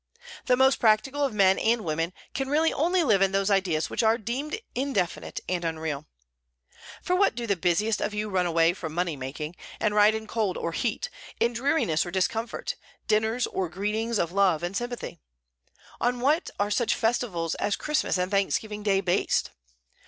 The most practical of men and women can really only live in those ideas which are deemed indefinite and unreal. For what do the busiest of you run away from money making, and ride in cold or heat, in dreariness or discomfort, dinners, or greetings of love and sympathy? On what are such festivals as Christmas and Thanksgiving Day based?